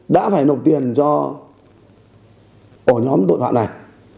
đã phải nộp tiền cho nhóm tội phạm này